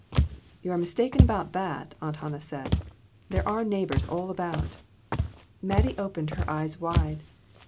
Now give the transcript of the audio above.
" You are mistaken about that," Aunt Hannah said; "there are neighbors all about." Mattie opened her eyes wide.